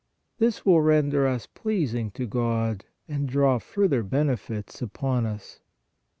This will render us pleasing to God and draw further benefits upon us.